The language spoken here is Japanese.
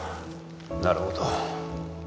なるほど。